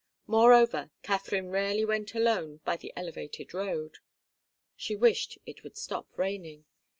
Moreover, Katharine rarely went alone by the elevated road. She wished it would stop raining.